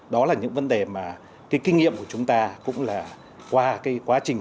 đó là những vấn đề mà kinh nghiệm của chúng ta cũng là qua quá trình